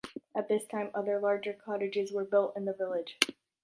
At this time, other larger cottages were built in the village.